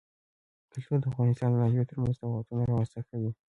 کلتور د افغانستان د ناحیو ترمنځ تفاوتونه رامنځ ته کوي.